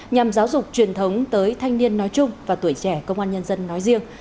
nhằm giáo dục truyền thống tới thanh niên nói chung và tuổi trẻ công an nhân dân nói riêng